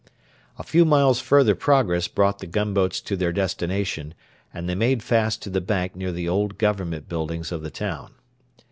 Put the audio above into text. A few miles' further progress brought the gunboats to their destination, and they made fast to the bank near the old Government buildings of the town.